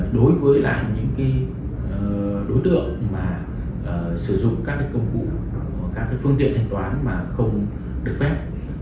đối với lại những cái đối tượng mà sử dụng các cái công cụ các cái phương tiện hành toán mà không được phép